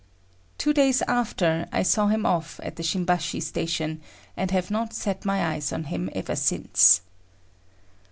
Two days after, I saw him off at the Shimbashi Station, and have not set my eyes on him ever since.